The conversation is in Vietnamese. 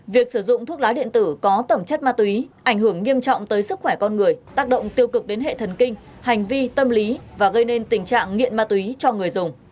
việc sử dụng thuốc lá điện tử có tẩm chất ma túy ảnh hưởng nghiêm trọng tới sức khỏe con người tác động tiêu cực đến hệ thần kinh hành vi tâm lý và gây nên tình trạng nghiện ma túy cho người dùng